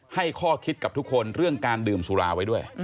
ให้ข้อคิดกับทุกคนเรื่องการดื่มสุราไว้ด้วย